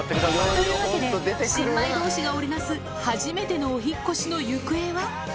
というわけで、新米どうしが織り成す初めてのお引っ越しの行方は？